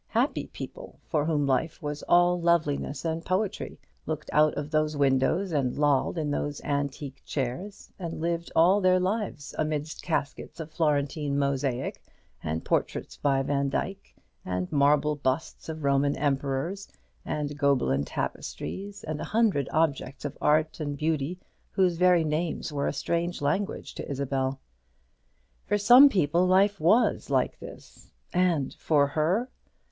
Happy people, for whom life was all loveliness and poetry, looked out of those windows, and lolled in those antique chairs, and lived all their lives amidst caskets of Florentine mosaic, and portraits by Vandyke, and marble busts of Roman emperors, and Gobelin tapestries, and a hundred objects of art and beauty, whose very names were a strange language to Isabel. For some people life was like this; and for her